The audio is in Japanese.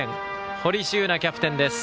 堀柊那キャプテンです。